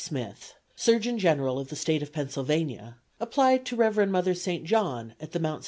Smith, Surgeon General of the State of Pennsylvania, applied to Rev. Mother St. John at the Mt. St.